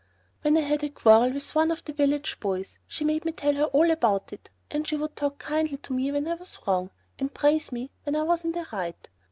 When I had a quarrel with one of the village boys she made me tell her all about it, and she would talk kindly to me when I was wrong and praise me when I was in the right.